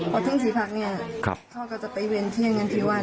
ก่อนซึ่งใจกับพ่อคือก็แม่ไว้